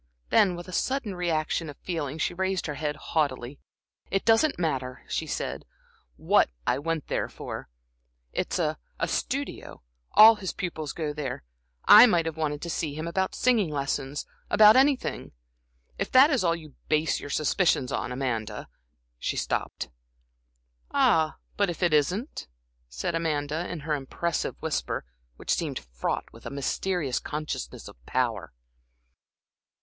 Then, with a sudden reaction of feeling, she raised her head haughtily. "It doesn't matter," she said, "what I went there for. It's a a studio; all his pupils go there. I might have wanted to see him about singing lessons, about anything. If that is all you base your suspicions on, Amanda" She stopped. "Ah, but if it isn't?" said Amanda, in her impressive whisper, which seemed fraught with a mysterious consciousness of power.